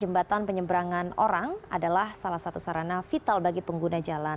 jembatan penyeberangan orang adalah salah satu sarana vital bagi pengguna jalan